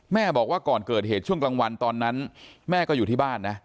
แม่บอกว่าก่อนเกิดเหตุช่วงกลางวันตอนนั้นแม่ก็อยู่ที่บ้านนะ